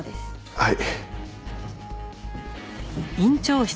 はい。